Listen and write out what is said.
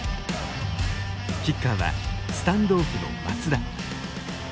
キッカーはスタンドオフの松田。